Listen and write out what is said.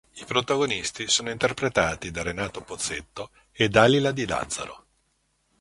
I protagonisti sono interpretati da Renato Pozzetto e Dalila Di Lazzaro.